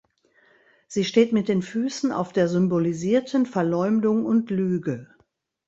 Sie steht mit den Füßen auf der symbolisierten Verleumdung und Lüge.